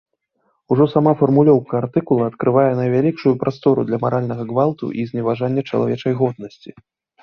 Ужо сама фармулёўка артыкула адкрывае найвялікшую прастору для маральнага гвалту і зневажання чалавечай годнасці.